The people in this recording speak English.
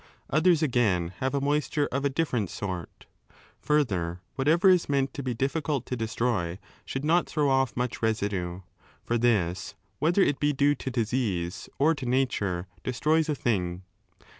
Others again have a moisture of a different sort. Further, whatever is meant to be difficult 5 to destroy should not throw off much residue. For this, whether it be due to disease or to nature, destroys a thing.